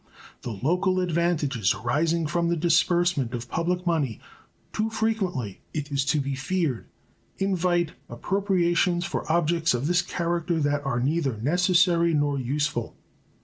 The local advantages arising from the disbursement of public money too frequently, it is to be feared, invite appropriations for objects of this character that are neither necessary nor useful.